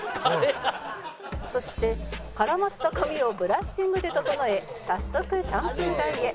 「そして絡まった髪をブラッシングで整え早速シャンプー台へ」